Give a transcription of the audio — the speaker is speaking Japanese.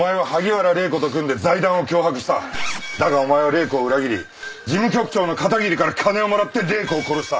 だがお前は礼子を裏切り事務局長の片桐から金をもらって礼子を殺した！